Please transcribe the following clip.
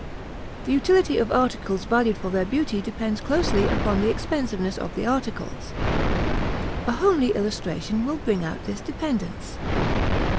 The utility of articles valued for their beauty depends closely upon the expensiveness of the articles. A homely illustration will bring out this dependence.